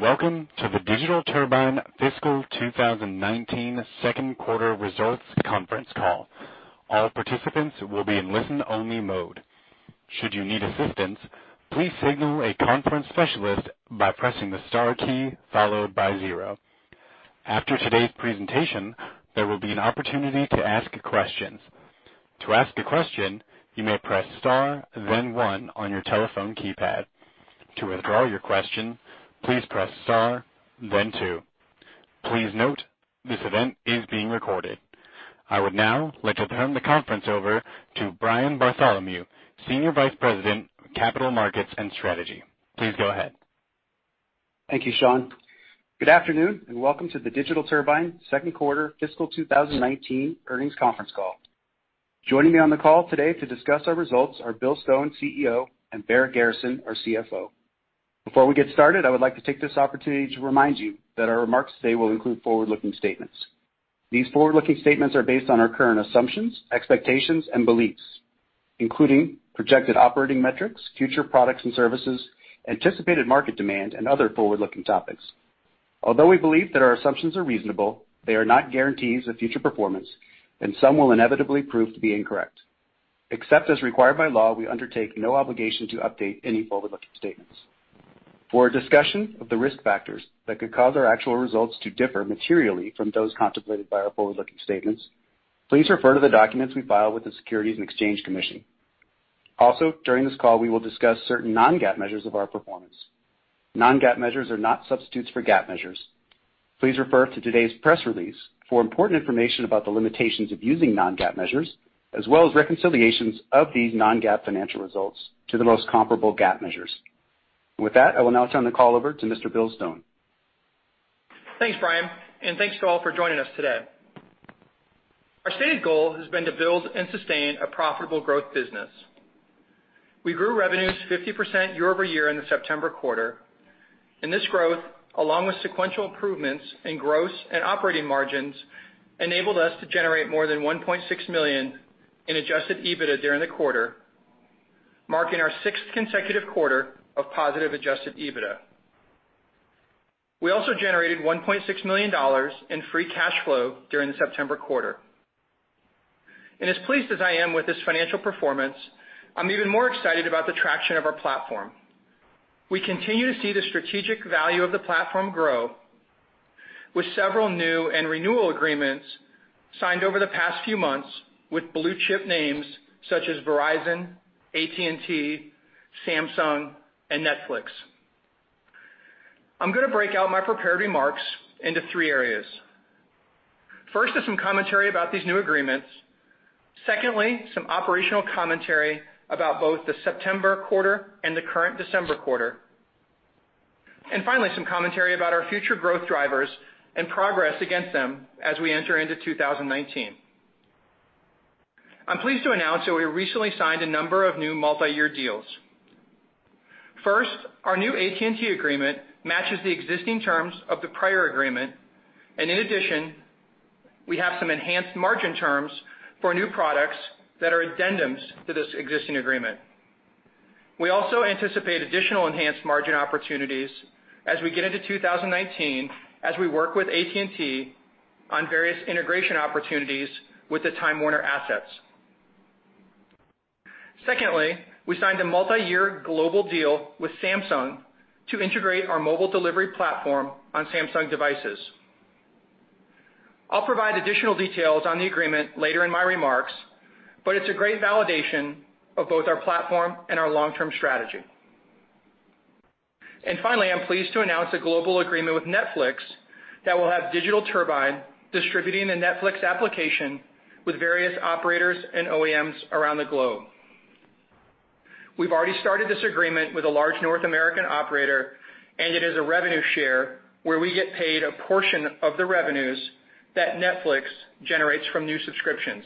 Good day, and welcome to the Digital Turbine Fiscal 2019 second quarter results conference call. All participants will be in listen-only mode. Should you need assistance, please signal a conference specialist by pressing the star key followed by zero. After today's presentation, there will be an opportunity to ask questions. To ask a question, you may press star then one on your telephone keypad. To withdraw your question, please press star then two. Please note, this event is being recorded. I would now like to turn the conference over to Brian Bartholomew, Senior Vice President of Capital Markets and Strategy. Please go ahead. Thank you, Sean. Good afternoon, and welcome to the Digital Turbine second quarter fiscal 2019 earnings conference call. Joining me on the call today to discuss our results are Bill Stone, CEO, and Barrett Garrison, our CFO. Before we get started, I would like to take this opportunity to remind you that our remarks today will include forward-looking statements. These forward-looking statements are based on our current assumptions, expectations, and beliefs, including projected operating metrics, future products and services, anticipated market demand, and other forward-looking topics. Although we believe that our assumptions are reasonable, they are not guarantees of future performance, and some will inevitably prove to be incorrect. Except as required by law, we undertake no obligation to update any forward-looking statements. For a discussion of the risk factors that could cause our actual results to differ materially from those contemplated by our forward-looking statements, please refer to the documents we file with the Securities and Exchange Commission. Also, during this call, we will discuss certain non-GAAP measures of our performance. Non-GAAP measures are not substitutes for GAAP measures. Please refer to today's press release for important information about the limitations of using non-GAAP measures, as well as reconciliations of these non-GAAP financial results to the most comparable GAAP measures. With that, I will now turn the call over to Mr. Bill Stone. Thanks, Brian, and thanks to all for joining us today. Our stated goal has been to build and sustain a profitable growth business. We grew revenues 50% year-over-year in the September quarter, and this growth, along with sequential improvements in gross and operating margins, enabled us to generate more than $1.6 million in adjusted EBITDA during the quarter, marking our sixth consecutive quarter of positive adjusted EBITDA. We also generated $1.6 million in free cash flow during the September quarter. As pleased as I am with this financial performance, I'm even more excited about the traction of our platform. We continue to see the strategic value of the platform grow, with several new and renewal agreements signed over the past few months with blue-chip names such as Verizon, AT&T, Samsung, and Netflix. I'm gonna break out my prepared remarks into three areas. First is some commentary about these new agreements. Secondly, some operational commentary about both the September quarter and the current December quarter. Finally, some commentary about our future growth drivers and progress against them as we enter into 2019. I'm pleased to announce that we recently signed a number of new multi-year deals. First, our new AT&T agreement matches the existing terms of the prior agreement. In addition, we have some enhanced margin terms for new products that are addendums to this existing agreement. We also anticipate additional enhanced margin opportunities as we get into 2019 as we work with AT&T on various integration opportunities with the Time Warner assets. Secondly, we signed a multi-year global deal with Samsung to integrate our mobile delivery platform on Samsung devices. I'll provide additional details on the agreement later in my remarks, but it's a great validation of both our platform and our long-term strategy. Finally, I'm pleased to announce a global agreement with Netflix that will have Digital Turbine distributing the Netflix application with various operators and OEMs around the globe. We've already started this agreement with a large North American operator. It is a revenue share where we get paid a portion of the revenues that Netflix generates from new subscriptions.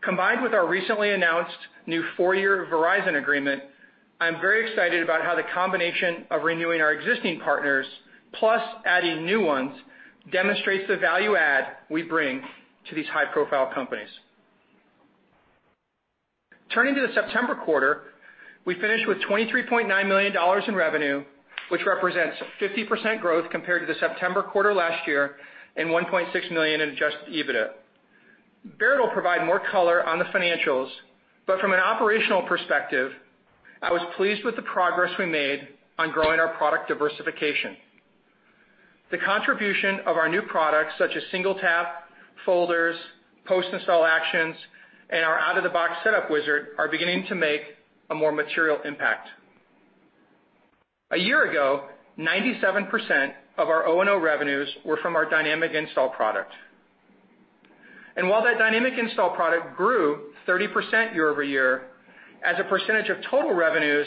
Combined with our recently announced new four-year Verizon agreement, I am very excited about how the combination of renewing our existing partners, plus adding new ones, demonstrates the value add we bring to these high-profile companies. Turning to the September quarter, we finished with $23.9 million in revenue, which represents 50% growth compared to the September quarter last year, and $1.6 million in adjusted EBITDA. Barrett will provide more color on the financials. From an operational perspective, I was pleased with the progress we made on growing our product diversification. The contribution of our new products, such as SingleTap, Folders, Post-Installation Actions, and our out-of-the-box setup Wizard, are beginning to make a more material impact. A year ago, 97% of our O&O revenues were from our Dynamic Installs product. While that Dynamic Installs product grew 30% year-over-year, as a percentage of total revenues,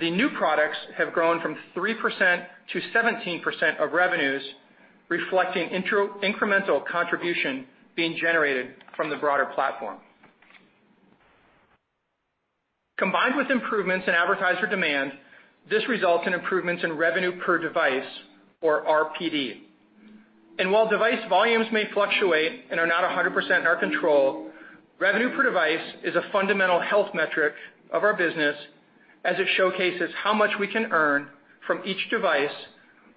the new products have grown from 3% to 17% of revenues, reflecting incremental contribution being generated from the broader platform. Combined with improvements in advertiser demand, this results in improvements in revenue per device or RPD. While device volumes may fluctuate and are not 100% in our control, revenue per device is a fundamental health metric of our business as it showcases how much we can earn from each device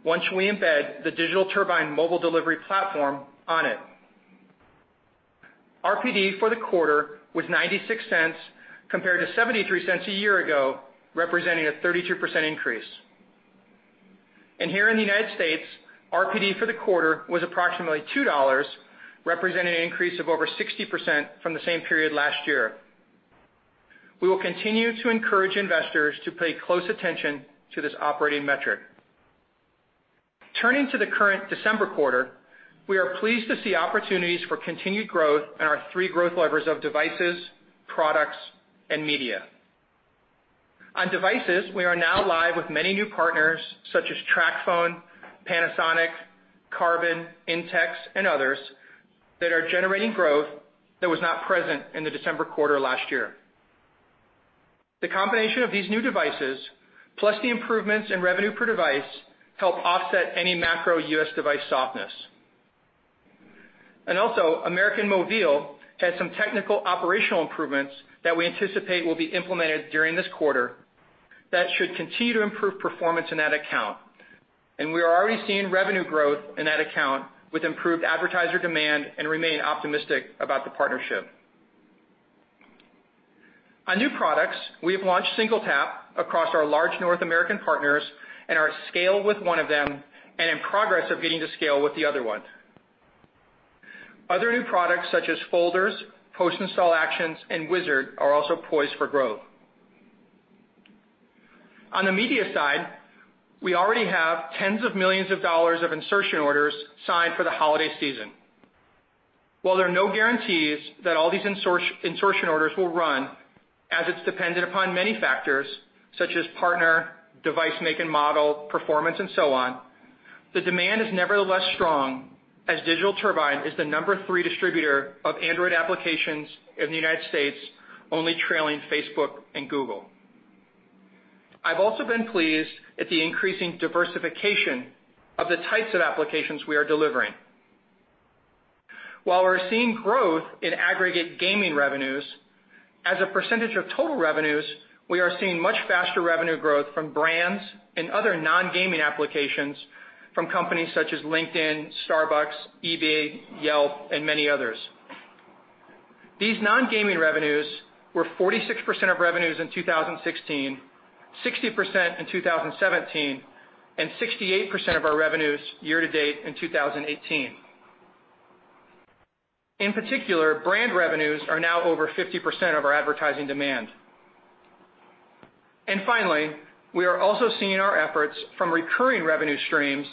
once we embed the Digital Turbine mobile delivery platform on it. RPD for the quarter was $0.96 compared to $0.73 a year ago, representing a 32% increase. Here in the United States, RPD for the quarter was approximately $2, representing an increase of over 60% from the same period last year. We will continue to encourage investors to pay close attention to this operating metric. Turning to the current December quarter, we are pleased to see opportunities for continued growth in our three growth levers of devices, products, and media. On devices, we are now live with many new partners such as TracFone, Panasonic, Karbonn, Intex, and others, that are generating growth that was not present in the December quarter last year. The combination of these new devices, plus the improvements in revenue per device, help offset any macro U.S. device softness. Also, América Móvil had some technical operational improvements that we anticipate will be implemented during this quarter that should continue to improve performance in that account. We are already seeing revenue growth in that account with improved advertiser demand and remain optimistic about the partnership. On new products, we have launched SingleTap across our large North American partners and are at scale with one of them and in progress of getting to scale with the other one. Other new products such as Folders, Post-Installation Actions, and Wizard are also poised for growth. On the media side, we already have tens of millions of dollars of insertion orders signed for the holiday season. While there are no guarantees that all these insertion orders will run, as it's dependent upon many factors such as partner, device make and model, performance, and so on, the demand is nevertheless strong, as Digital Turbine is the number 3 distributor of Android applications in the U.S., only trailing Facebook and Google. I've also been pleased at the increasing diversification of the types of applications we are delivering. While we're seeing growth in aggregate gaming revenues, as a percentage of total revenues, we are seeing much faster revenue growth from brands and other non-gaming applications from companies such as LinkedIn, Starbucks, eBay, Yelp, and many others. These non-gaming revenues were 46% of revenues in 2016, 60% in 2017, and 68% of our revenues year to date in 2018. In particular, brand revenues are now over 50% of our advertising demand. Finally, we are also seeing our efforts from recurring revenue streams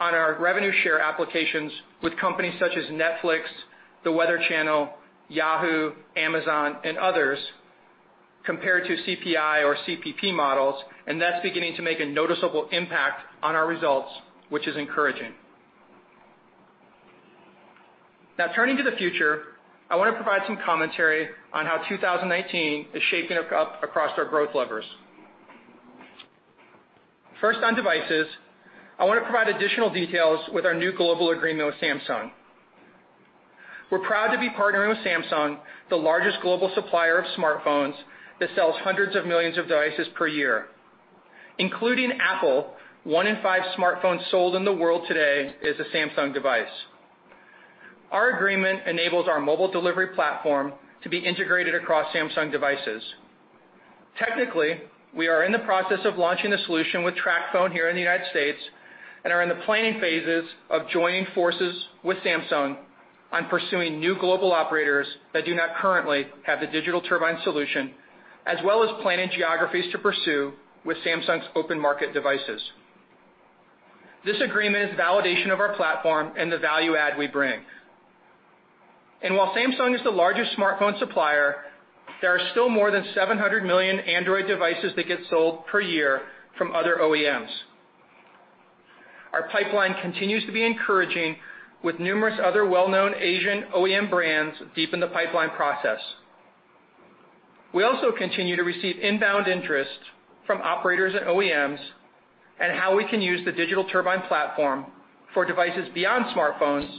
on our revenue share applications with companies such as Netflix, The Weather Channel, Yahoo, Amazon, and others, compared to CPI or CPP models, and that's beginning to make a noticeable impact on our results, which is encouraging. Now turning to the future, I want to provide some commentary on how 2019 is shaping up across our growth levers. First, on devices, I want to provide additional details with our new global agreement with Samsung. We're proud to be partnering with Samsung, the largest global supplier of smartphones that sells hundreds of millions of devices per year. Including Apple, one in five smartphones sold in the world today is a Samsung device. Our agreement enables our mobile delivery platform to be integrated across Samsung devices. Technically, we are in the process of launching the solution with TracFone here in the U.S. and are in the planning phases of joining forces with Samsung on pursuing new global operators that do not currently have the Digital Turbine solution, as well as planning geographies to pursue with Samsung's open market devices. This agreement is validation of our platform and the value add we bring. While Samsung is the largest smartphone supplier, there are still more than 700 million Android devices that get sold per year from other OEMs. Our pipeline continues to be encouraging with numerous other well-known Asian OEM brands deep in the pipeline process. We also continue to receive inbound interest from operators and OEMs on how we can use the Digital Turbine platform for devices beyond smartphones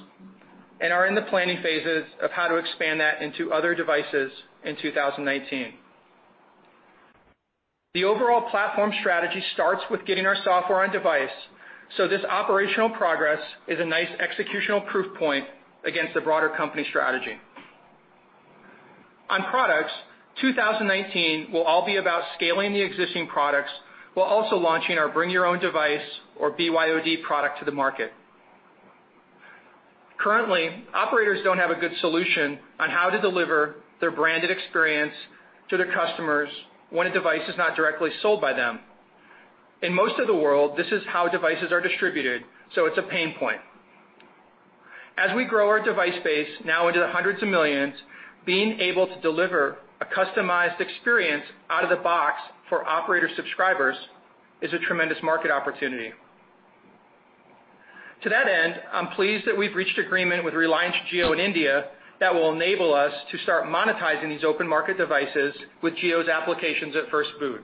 and are in the planning phases of how to expand that into other devices in 2019. The overall platform strategy starts with getting our software on device. This operational progress is a nice executional proof point against the broader company strategy. On products, 2019 will all be about scaling the existing products while also launching our Bring Your Own Device or BYOD product to the market. Currently, operators don't have a good solution on how to deliver their branded experience to their customers when a device is not directly sold by them. In most of the world, this is how devices are distributed, so it's a pain point. As we grow our device base now into the hundreds of millions, being able to deliver a customized experience out of the box for operator subscribers is a tremendous market opportunity. To that end, I'm pleased that we've reached agreement with Reliance Jio in India that will enable us to start monetizing these open market devices with Jio's applications at first boot.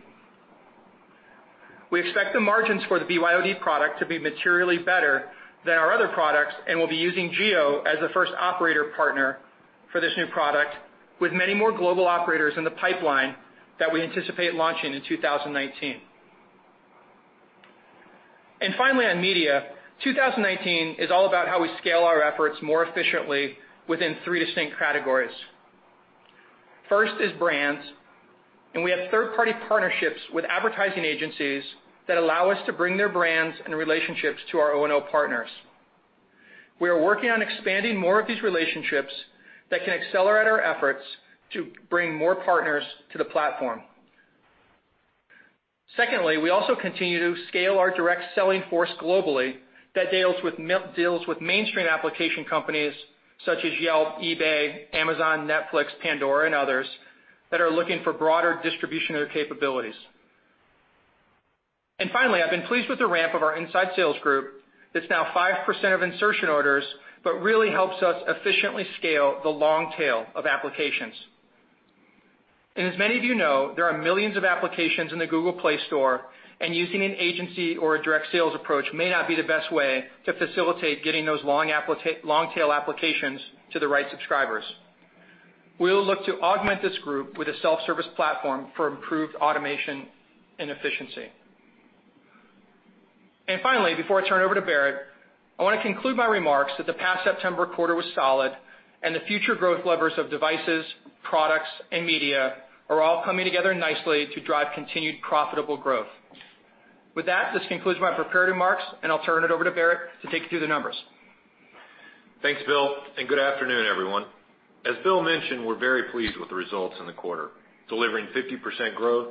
We expect the margins for the BYOD product to be materially better than our other products, and we'll be using Jio as the first operator partner for this new product, with many more global operators in the pipeline that we anticipate launching in 2019. Finally, on media, 2019 is all about how we scale our efforts more efficiently within three distinct categories. First is brands. We have third-party partnerships with advertising agencies that allow us to bring their brands and relationships to our O&O partners. We are working on expanding more of these relationships that can accelerate our efforts to bring more partners to the platform. Secondly, we also continue to scale our direct selling force globally that deals with mainstream application companies such as Yelp, eBay, Amazon, Netflix, Pandora, and others that are looking for broader distribution of their capabilities. Finally, I've been pleased with the ramp of our inside sales group that's now 5% of insertion orders but really helps us efficiently scale the long tail of applications. As many of you know, there are millions of applications in the Google Play Store, and using an agency or a direct sales approach may not be the best way to facilitate getting those long-tail applications to the right subscribers. We will look to augment this group with a self-service platform for improved automation and efficiency. Finally, before I turn it over to Barrett, I want to conclude my remarks that the past September quarter was solid, and the future growth levers of devices, products, and media are all coming together nicely to drive continued profitable growth. With that, this concludes my prepared remarks, and I'll turn it over to Barrett to take you through the numbers. Thanks, Bill, good afternoon, everyone. As Bill mentioned, we're very pleased with the results in the quarter, delivering 50% growth,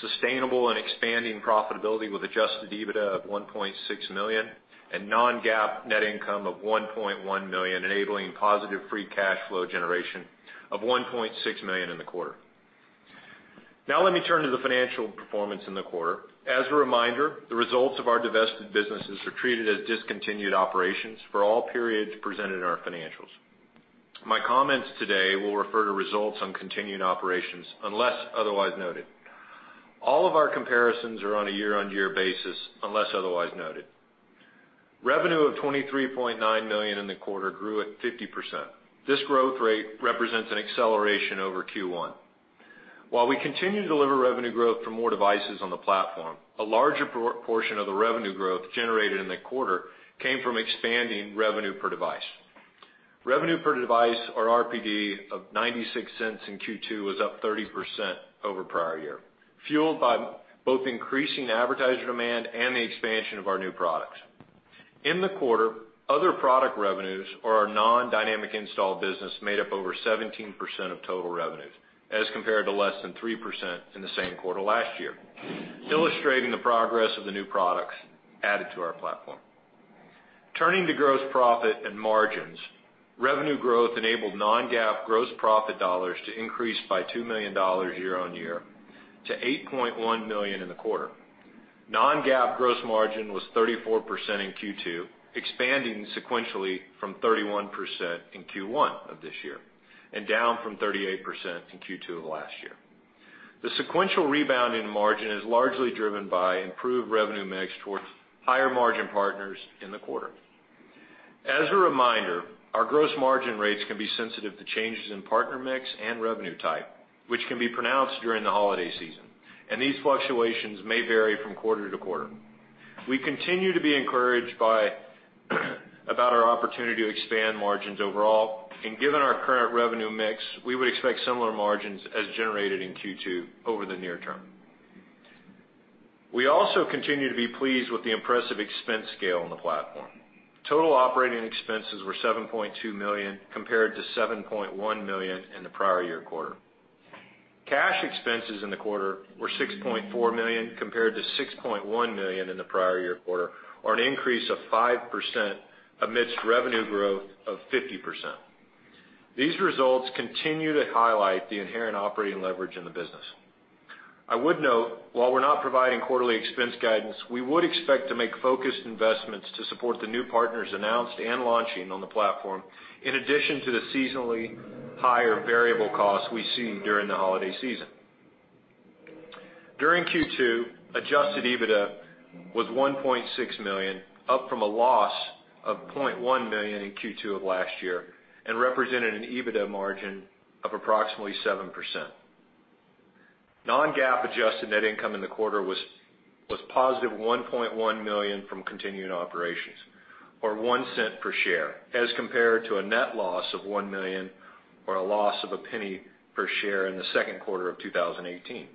sustainable and expanding profitability with adjusted EBITDA of $1.6 million, and non-GAAP net income of $1.1 million, enabling positive free cash flow generation of $1.6 million in the quarter. Let me turn to the financial performance in the quarter. As a reminder, the results of our divested businesses are treated as discontinued operations for all periods presented in our financials. My comments today will refer to results on continued operations unless otherwise noted. All of our comparisons are on a year-on-year basis, unless otherwise noted. Revenue of $23.9 million in the quarter grew at 50%. This growth rate represents an acceleration over Q1. While we continue to deliver revenue growth from more devices on the platform, a larger portion of the revenue growth generated in the quarter came from expanding revenue per device. Revenue per device or RPD of $0.96 in Q2 was up 30% over prior year, fueled by both increasing advertiser demand and the expansion of our new products. In the quarter, other product revenues or our non-Dynamic Installs business made up over 17% of total revenues as compared to less than 3% in the same quarter last year, illustrating the progress of the new products added to our platform. Turning to gross profit and margins, revenue growth enabled non-GAAP gross profit dollars to increase by $2 million year-on-year to $8.1 million in the quarter. Non-GAAP gross margin was 34% in Q2, expanding sequentially from 31% in Q1 of this year and down from 38% in Q2 of last year. The sequential rebound in margin is largely driven by improved revenue mix towards higher-margin partners in the quarter. As a reminder, our gross margin rates can be sensitive to changes in partner mix and revenue type, which can be pronounced during the holiday season, these fluctuations may vary from quarter to quarter. We continue to be encouraged about our opportunity to expand margins overall, given our current revenue mix, we would expect similar margins as generated in Q2 over the near term. We also continue to be pleased with the impressive expense scale on the platform. Total operating expenses were $7.2 million, compared to $7.1 million in the prior year quarter. Cash expenses in the quarter were $6.4 million, compared to $6.1 million in the prior year quarter, or an increase of 5% amidst revenue growth of 50%. These results continue to highlight the inherent operating leverage in the business. I would note, while we're not providing quarterly expense guidance, we would expect to make focused investments to support the new partners announced and launching on the platform, in addition to the seasonally higher variable costs we see during the holiday season. During Q2, adjusted EBITDA was $1.6 million, up from a loss of $0.1 million in Q2 of last year and represented an EBITDA margin of approximately 7%. Non-GAAP adjusted net income in the quarter was positive $1.1 million from continuing operations or $0.01 per share as compared to a net loss of $1 million or a loss of $0.01 per share in the second quarter of 2018.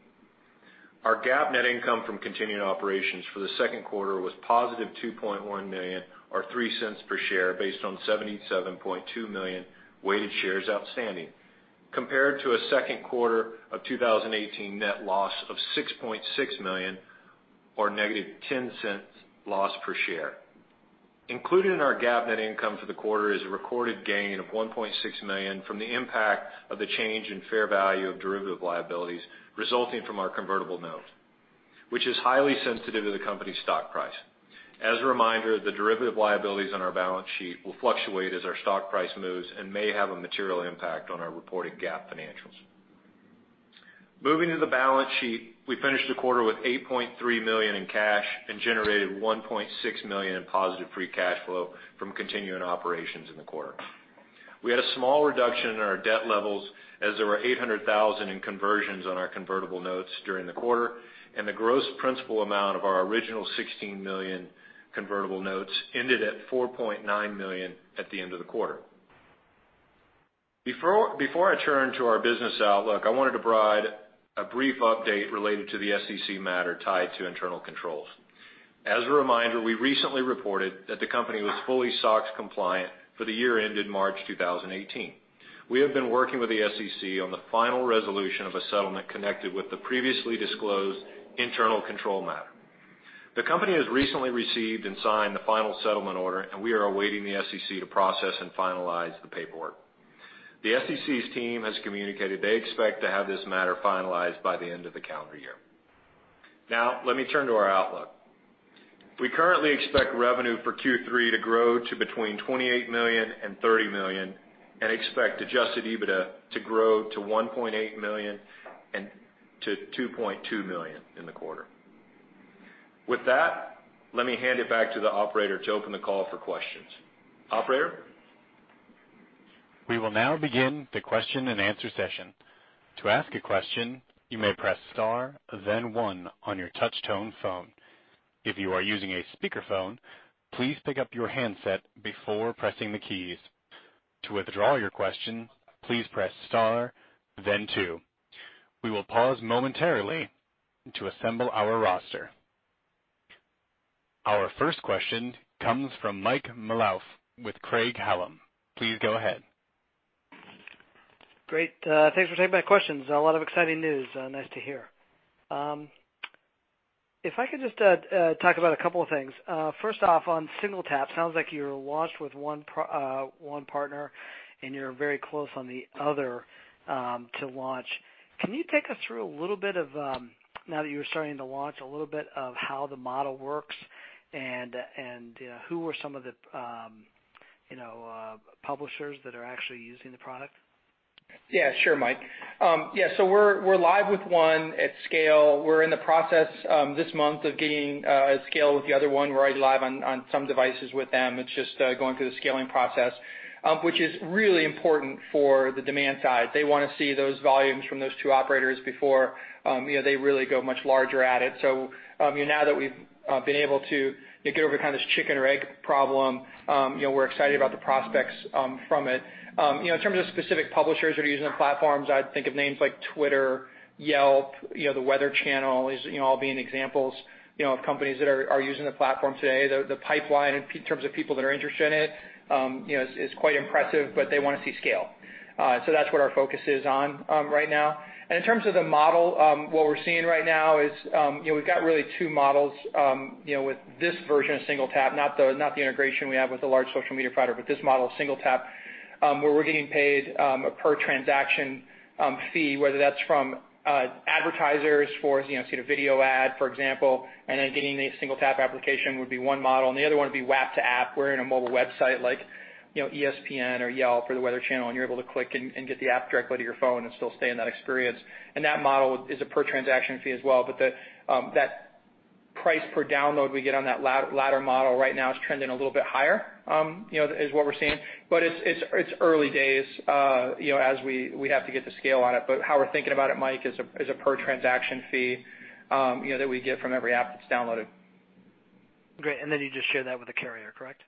Our GAAP net income from continuing operations for the second quarter was positive $2.1 million or $0.03 per share based on 77.2 million weighted shares outstanding compared to a second quarter of 2018 net loss of $6.6 million or negative $0.10 loss per share. Included in our GAAP net income for the quarter is a recorded gain of $1.6 million from the impact of the change in fair value of derivative liabilities resulting from our convertible note, which is highly sensitive to the company's stock price. As a reminder, the derivative liabilities on our balance sheet will fluctuate as our stock price moves and may have a material impact on our reported GAAP financials. Moving to the balance sheet, we finished the quarter with $8.3 million in cash and generated $1.6 million in positive free cash flow from continuing operations in the quarter. We had a small reduction in our debt levels as there were $800,000 in conversions on our convertible notes during the quarter. The gross principal amount of our original $16 million convertible notes ended at $4.9 million at the end of the quarter. Before I turn to our business outlook, I wanted to provide a brief update related to the SEC matter tied to internal controls. As a reminder, we recently reported that the company was fully SOX compliant for the year ended March 2018. We have been working with the SEC on the final resolution of a settlement connected with the previously disclosed internal control matter. The company has recently received and signed the final settlement order, and we are awaiting the SEC to process and finalize the paperwork. The SEC's team has communicated they expect to have this matter finalized by the end of the calendar year. Let me turn to our outlook. We currently expect revenue for Q3 to grow to between $28 million and $30 million and expect adjusted EBITDA to grow to $1.8 million and to $2.2 million in the quarter. With that, let me hand it back to the operator to open the call for questions. Operator? We will now begin the question and answer session. To ask a question, you may press star then one on your touch-tone phone. If you are using a speakerphone, please pick up your handset before pressing the keys. To withdraw your question, please press star then two. We will pause momentarily to assemble our roster. Our first question comes from Mike Malouf with Craig-Hallum. Please go ahead. Great. Thanks for taking my questions. A lot of exciting news. Nice to hear. If I could just talk about a couple of things. First off, on SingleTap, sounds like you're launched with one partner and you're very close on the other to launch. Can you take us through, now that you are starting to launch, a little bit of how the model works and who are some of the publishers that are actually using the product? Yeah. Sure, Mike. We're live with one at scale. We're in the process this month of getting at scale with the other one. We're already live on some devices with them. It's just going through the scaling process, which is really important for the demand side. They want to see those volumes from those two operators before they really go much larger at it. Now that we've been able to get over this chicken or egg problem, we're excited about the prospects from it. In terms of specific publishers that are using the platforms, I'd think of names like Twitter, Yelp, The Weather Channel, all being examples of companies that are using the platform today. The pipeline in terms of people that are interested in it is quite impressive, but they want to see scale. That's what our focus is on right now. In terms of the model, what we're seeing right now is we've got really two models with this version of SingleTap, not the integration we have with the large social media provider, but this model of SingleTap, where we're getting paid a per transaction fee, whether that's from advertisers for a video ad, for example, and then getting a SingleTap application would be one model, and the other one would be WAP to app. We're in a mobile website like ESPN or Yelp or The Weather Channel, and you're able to click and get the app directly to your phone and still stay in that experience. That model is a per transaction fee as well. That price per download we get on that latter model right now is trending a little bit higher, is what we're seeing. It's early days. We have to get the scale on it. How we're thinking about it, Mike, is a per transaction fee that we get from every app that's downloaded. Great. You just share that with the carrier, correct?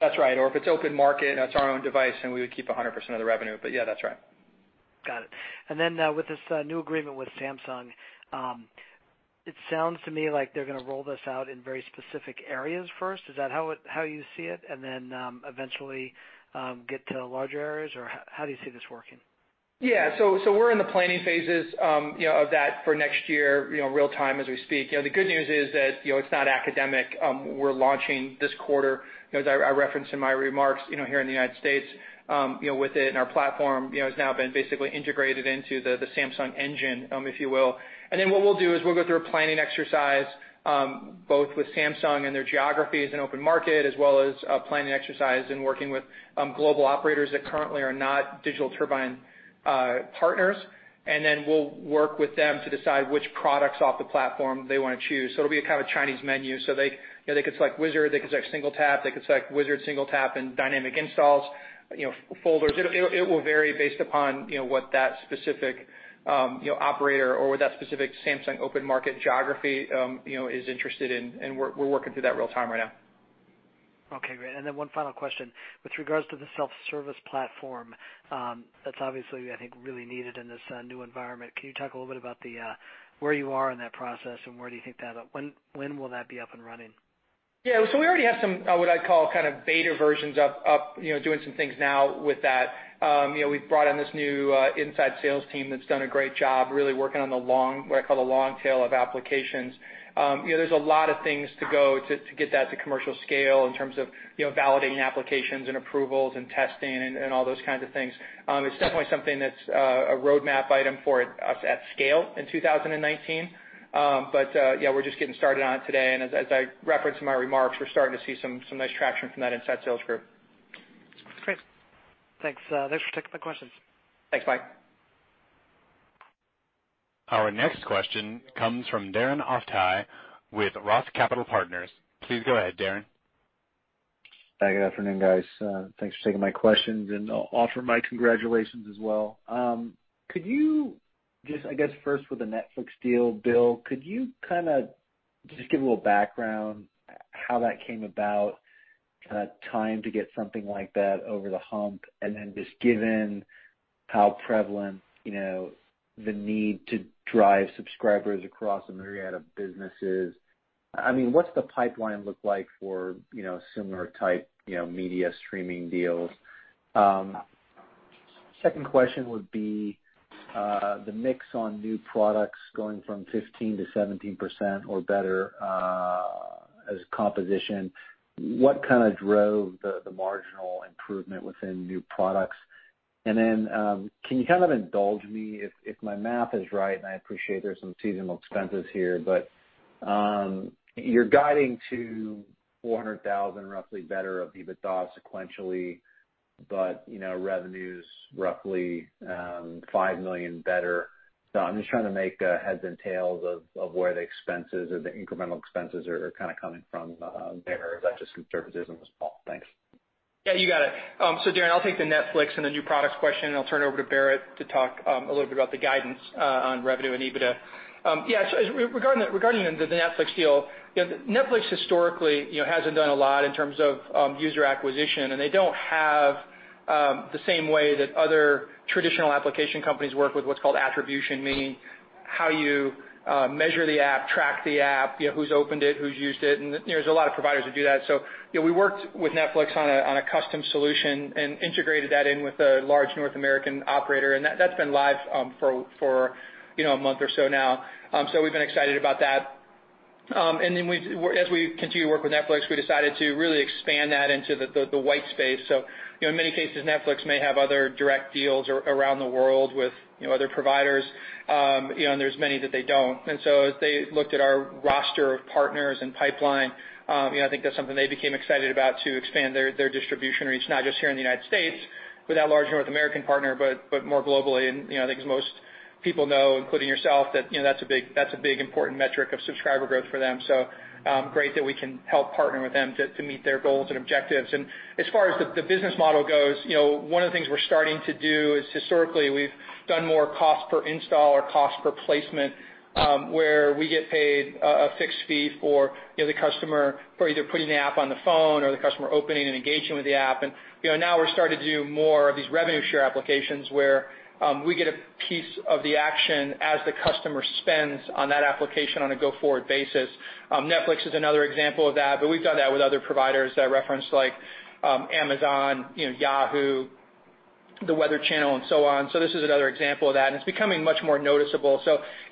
That's right. If it's open market, that's our own device, and we would keep 100% of the revenue. Yeah, that's right. Got it. With this new agreement with Samsung, it sounds to me like they're going to roll this out in very specific areas first. Is that how you see it? Eventually get to larger areas, or how do you see this working? Yeah. We're in the planning phases of that for next year, real-time as we speak. The good news is that it's not academic. We're launching this quarter, as I referenced in my remarks, here in the United States with it, and our platform has now been basically integrated into the Samsung engine, if you will. What we'll do is we'll go through a planning exercise both with Samsung and their geographies in open market, as well as a planning exercise in working with global operators that currently are not Digital Turbine partners. We'll work with them to decide which products off the platform they want to choose. It'll be a kind of Chinese menu. They could select Wizard, they could select SingleTap, they could select Wizard, SingleTap, and Dynamic Installs, Folders. It will vary based upon what that specific operator or what that specific Samsung open market geography is interested in, and we're working through that real-time right now. Okay, great. Then one final question. With regards to the self-service platform, that's obviously, I think, really needed in this new environment. Can you talk a little bit about where you are in that process, and when will that be up and running? Yeah. We already have some, what I'd call beta versions up, doing some things now with that. We've brought on this new inside sales team that's done a great job really working on what I call the long tail of applications. There's a lot of things to go to get that to commercial scale in terms of validating applications and approvals and testing and all those kinds of things. It's definitely something that's a roadmap item for us at scale in 2019. We're just getting started on it today, and as I referenced in my remarks, we're starting to see some nice traction from that inside sales group. Great. Thanks. Thanks for taking my questions. Thanks. Bye. Our next question comes from Darren Aftahi with ROTH Capital Partners. Please go ahead, Darren. Hi, good afternoon, guys. Thanks for taking my questions. I'll offer my congratulations as well. Could you just, I guess, first with the Netflix deal, Bill, could you kind of just give a little background how that came about, time to get something like that over the hump? Just given how prevalent the need to drive subscribers across a myriad of businesses, what's the pipeline look like for similar type media streaming deals? Second question would be, the mix on new products going from 15%-17% or better as a composition. What drove the marginal improvement within new products? Can you kind of indulge me if my math is right, and I appreciate there's some seasonal expenses here, but you're guiding to $400,000 roughly better of EBITDA sequentially, but revenue's roughly $5 million better. I'm just trying to make heads and tails of where the expenses or the incremental expenses are, kind of coming from there. Is that just conservatism as well? Thanks. You got it. Darren, I'll take the Netflix and the new products question, and I'll turn it over to Barrett to talk a little bit about the guidance on revenue and EBITDA. Yeah. Regarding the Netflix deal, Netflix historically hasn't done a lot in terms of user acquisition, and they don't have the same way that other traditional application companies work with what's called attribution, meaning how you measure the app, track the app, who's opened it, who's used it, and there's a lot of providers who do that. We worked with Netflix on a custom solution and integrated that in with a large North American operator, and that's been live for a month or so now. We've been excited about that. As we continue to work with Netflix, we decided to really expand that into the white space. In many cases, Netflix may have other direct deals around the world with other providers. There's many that they don't. As they looked at our roster of partners and pipeline, I think that's something they became excited about to expand their distribution reach, not just here in the United States with that large North American partner, but more globally. I think as most people know, including yourself, that's a big, important metric of subscriber growth for them. Great that we can help partner with them to meet their goals and objectives. As far as the business model goes, one of the things we're starting to do is historically, we've done more cost per install or cost per placement, where we get paid a fixed fee for the customer for either putting the app on the phone or the customer opening and engaging with the app. Now we're starting to do more of these revenue share applications where we get a piece of the action as the customer spends on that application on a go-forward basis. Netflix is another example of that, but we've done that with other providers that I referenced, like Amazon, Yahoo, The Weather Channel, and so on. This is another example of that, and it's becoming much more noticeable.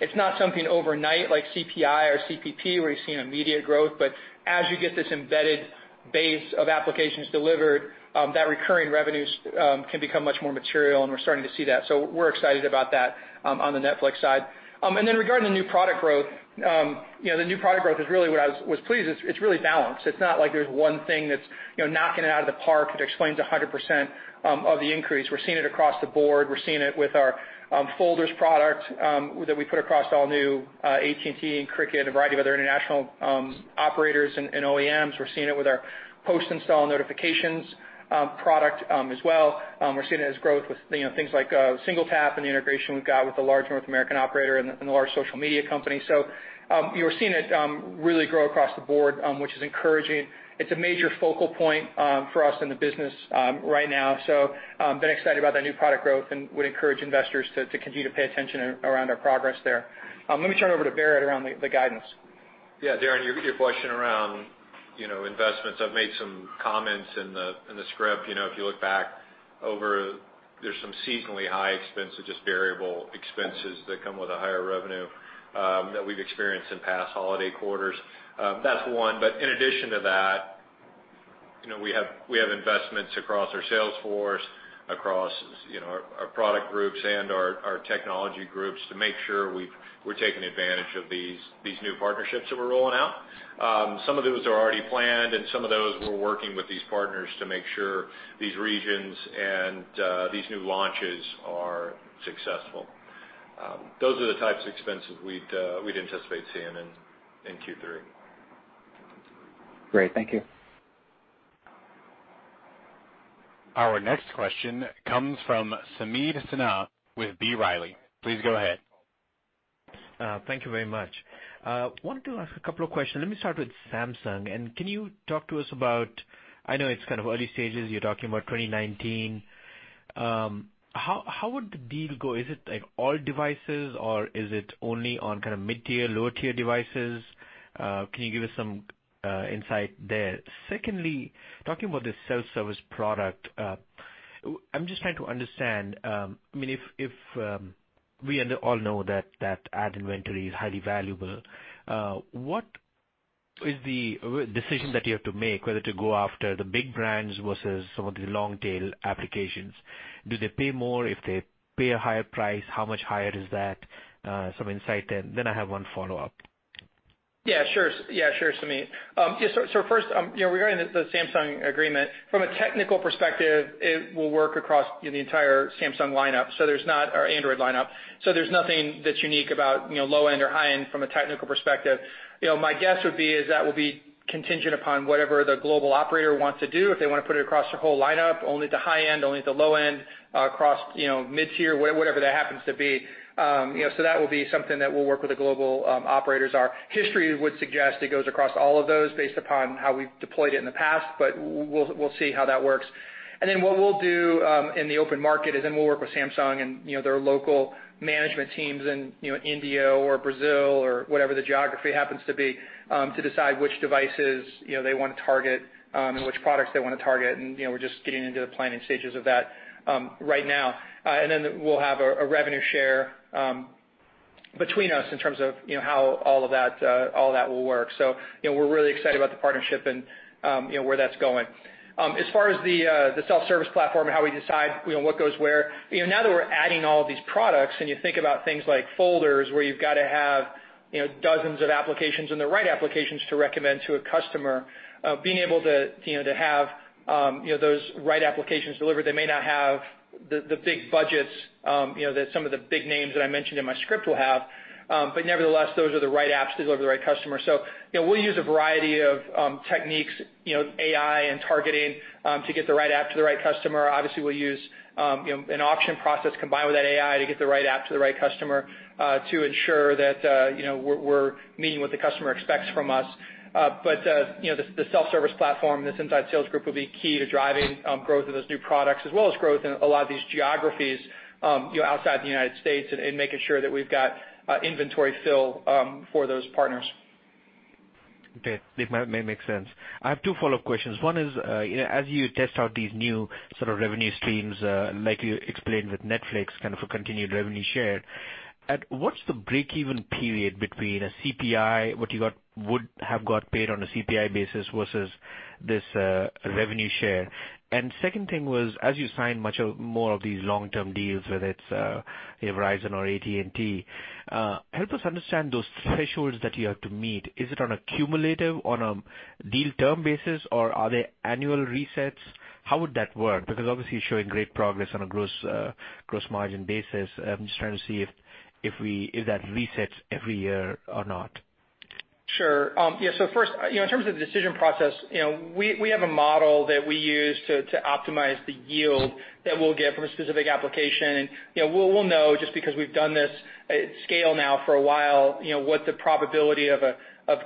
It's not something overnight like CPI or CPP, where you're seeing immediate growth, but as you get this embedded base of applications delivered, that recurring revenues can become much more material, and we're starting to see that. We're excited about that on the Netflix side. Regarding the new product growth, the new product growth is really what I was pleased with. It's really balanced. It's not like there's one thing that's knocking it out of the park that explains 100% of the increase. We're seeing it across the board. We're seeing it with our Folders product that we put across all new AT&T and Cricket, a variety of other international operators and OEMs. We're seeing it with our post-install notifications product as well. We're seeing it as growth with things like SingleTap and the integration we've got with a large North American operator and a large social media company. You're seeing it really grow across the board, which is encouraging. It's a major focal point for us in the business right now. Been excited about that new product growth and would encourage investors to continue to pay attention around our progress there. Let me turn it over to Barrett around the guidance. Yeah, Darren, your question around investments. I've made some comments in the script. If you look back over, there's some seasonally high expenses, just variable expenses that come with a higher revenue, that we've experienced in past holiday quarters. That's one. In addition to that, we have investments across our sales force, across our product groups and our technology groups to make sure we're taking advantage of these new partnerships that we're rolling out. Some of those are already planned, and some of those we're working with these partners to make sure these regions and these new launches are successful. Those are the types of expenses we'd anticipate seeing in Q3. Great. Thank you. Our next question comes from Sameet Sinha with B. Riley. Please go ahead. Thank you very much. Wanted to ask a couple of questions. Let me start with Samsung. Can you talk to us about, I know it's kind of early stages, you're talking about 2019. How would the deal go? Is it like all devices or is it only on mid-tier, low-tier devices? Can you give us some insight there? Secondly, talking about the self-service product, I'm just trying to understand, we all know that ad inventory is highly valuable. What is the decision that you have to make, whether to go after the big brands versus some of the long-tail applications? Do they pay more if they pay a higher price? How much higher is that? Some insight there. I have one follow-up. Yeah, sure, Sameet. First, regarding the Samsung agreement, from a technical perspective, it will work across the entire Samsung lineup, or Android lineup. There's nothing that's unique about low-end or high-end from a technical perspective. My guess would be is that will be contingent upon whatever the global operator wants to do. If they want to put it across their whole lineup, only at the high end, only at the low end, across mid-tier, whatever that happens to be. That will be something that we'll work with the global operators. Our history would suggest it goes across all of those based upon how we've deployed it in the past, but we'll see how that works. What we'll do in the open market is then we'll work with Samsung and their local management teams in India or Brazil or whatever the geography happens to be, to decide which devices they want to target and which products they want to target. We're just getting into the planning stages of that right now. We'll have a revenue share between us in terms of how all of that will work. We're really excited about the partnership and where that's going. As far as the self-service platform and how we decide what goes where. Now that we're adding all of these products and you think about things like Folders, where you've got to have dozens of applications and the right applications to recommend to a customer, being able to have those right applications delivered, they may not have the big budgets that some of the big names that I mentioned in my script will have. Nevertheless, those are the right apps to deliver the right customer. We'll use a variety of techniques, AI and targeting, to get the right app to the right customer. Obviously, we'll use an auction process combined with that AI to get the right app to the right customer, to ensure that we're meeting what the customer expects from us. The self-service platform, this inside sales group will be key to driving growth of those new products as well as growth in a lot of these geographies outside the United States and making sure that we've got inventory fill for those partners. Okay. That makes sense. I have two follow-up questions. One is, as you test out these new sort of revenue streams, like you explained with Netflix, kind of a continued revenue share, what's the break-even period between a CPI, what you would have got paid on a CPI basis versus this revenue share? And second thing was, as you sign much more of these long-term deals, whether it's Verizon or AT&T, help us understand those thresholds that you have to meet. Is it on a cumulative, on a deal term basis, or are they annual resets? How would that work? Because obviously, you're showing great progress on a gross margin basis. I'm just trying to see if that resets every year or not. Sure. Yeah. First, in terms of the decision process, we have a model that we use to optimize the yield that we'll get from a specific application. We'll know just because we've done this at scale now for a while, what the probability of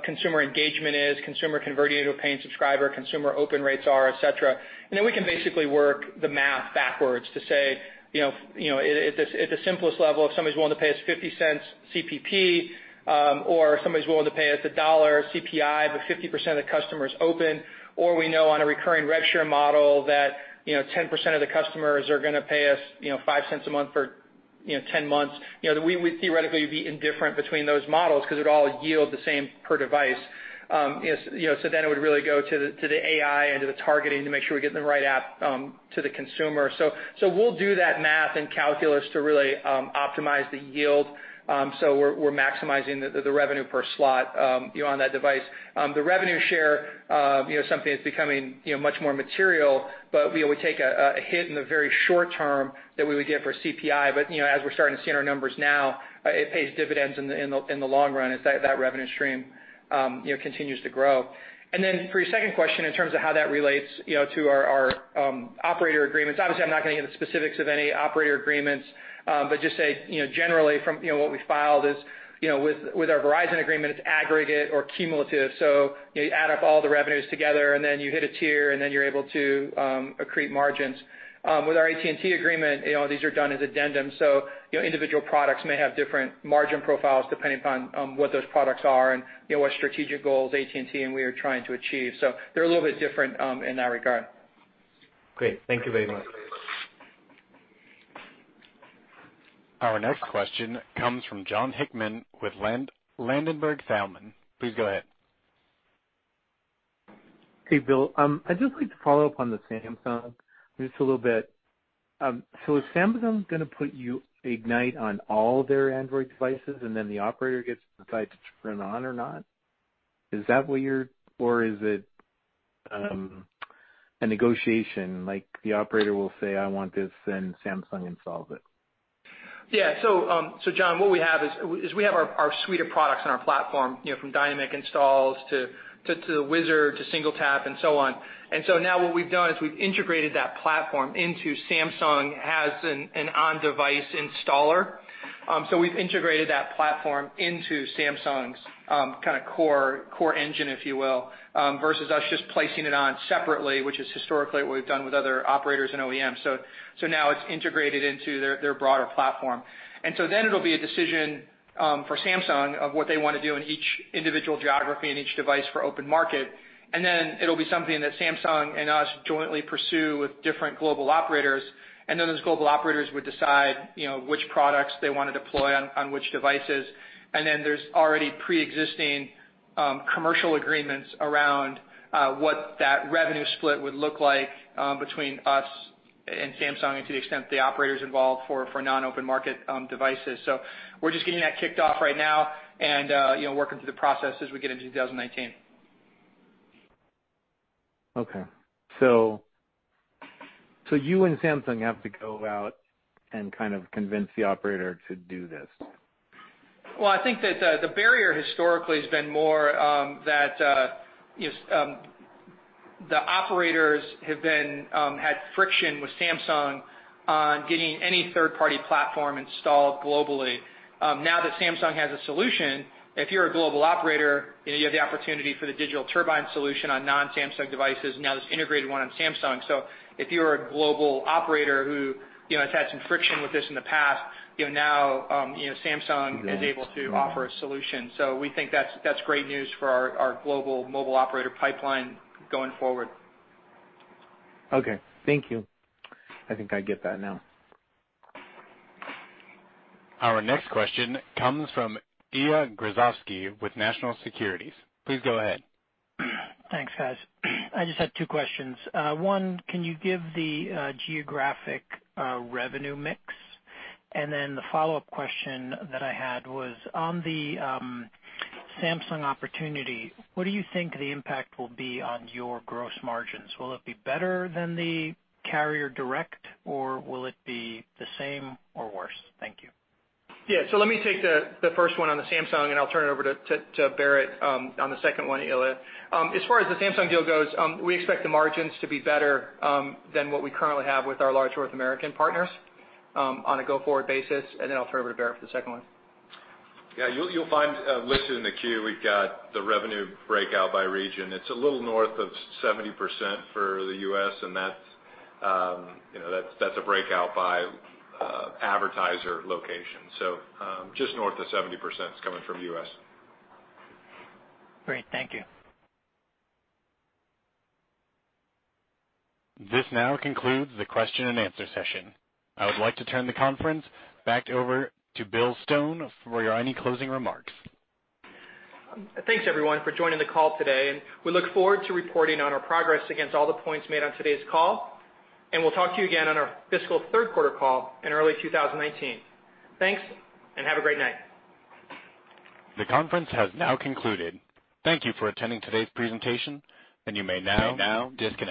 consumer engagement is, consumer converting into a paying subscriber, consumer open rates are, et cetera. Then we can basically work the math backwards to say, at the simplest level, if somebody's willing to pay us $0.50 CPP, or if somebody's willing to pay us $1 CPI, but 50% of the customers open, or we know on a recurring rev share model that 10% of the customers are gonna pay us $0.05 a month for 10 months. We would theoretically be indifferent between those models because it would all yield the same per device. It would really go to the AI and to the targeting to make sure we're getting the right app to the consumer. We'll do that math and calculus to really optimize the yield, so we're maximizing the revenue per slot on that device. The revenue share, something that's becoming much more material, we would take a hit in the very short term that we would get for CPI. As we're starting to see in our numbers now, it pays dividends in the long run as that revenue stream continues to grow. For your second question, in terms of how that relates to our operator agreements, obviously, I'm not going to get into specifics of any operator agreements, but just say, generally from what we filed is, with our Verizon agreement, it's aggregate or cumulative. You add up all the revenues together, and then you hit a tier, and then you're able to accrete margins. With our AT&T agreement, these are done as addendum. Individual products may have different margin profiles depending upon what those products are and what strategic goals AT&T and we are trying to achieve. They're a little bit different in that regard. Great. Thank you very much. Our next question comes from Jon Hickman with Ladenburg Thalmann. Please go ahead. Hey, Bill. I'd just like to follow up on the Samsung just a little bit. Is Samsung gonna put your Ignite on all their Android devices and then the operator gets to decide to turn on or not? Is that what or is it a negotiation, like the operator will say, "I want this," then Samsung installs it? Yeah. Jon, what we have is we have our suite of products on our platform, from Dynamic Installs to the Wizard to SingleTap and so on. Now what we've done is we've integrated that platform into Samsung as an on-device installer. We've integrated that platform into Samsung's kind of core engine, if you will, versus us just placing it on separately, which is historically what we've done with other operators and OEMs. Now it's integrated into their broader platform. It'll be a decision for Samsung of what they want to do in each individual geography and each device for open market. It'll be something that Samsung and us jointly pursue with different global operators. Those global operators would decide which products they want to deploy on which devices. There's already preexisting commercial agreements around what that revenue split would look like between us and Samsung and to the extent the operator's involved for non-open market devices. We're just getting that kicked off right now and working through the process as we get into 2019. Okay. You and Samsung have to go out and kind of convince the operator to do this? Well, I think that the barrier historically has been more that the operators have had friction with Samsung on getting any third-party platform installed globally. Now that Samsung has a solution, if you're a global operator and you have the opportunity for the Digital Turbine solution on non-Samsung devices, now this integrated one on Samsung. If you are a global operator who has had some friction with this in the past, now Samsung is able to offer a solution. We think that's great news for our global mobile operator pipeline going forward. Okay. Thank you. I think I get that now. Our next question comes from Ilya Grozovsky with National Securities. Please go ahead. Thanks, guys. I just had two questions. One, can you give the geographic revenue mix? The follow-up question that I had was, on the Samsung opportunity, what do you think the impact will be on your gross margins? Will it be better than the carrier direct, or will it be the same or worse? Thank you. Yeah. Let me take the first one on the Samsung, and I'll turn it over to Barrett on the second one, Ilya. As far as the Samsung deal goes, we expect the margins to be better than what we currently have with our large North American partners on a go-forward basis. I'll turn it over to Barrett for the second one. Yeah, you'll find listed in the Q, we've got the revenue breakout by region. It's a little north of 70% for the U.S., that's a breakout by advertiser location. Just north of 70% is coming from the U.S. Great. Thank you. This now concludes the question and answer session. I would like to turn the conference back over to Bill Stone for any closing remarks. Thanks everyone for joining the call today, we look forward to reporting on our progress against all the points made on today's call, we'll talk to you again on our fiscal third quarter call in early 2019. Thanks, have a great night. The conference has now concluded. Thank you for attending today's presentation, and you may now disconnect.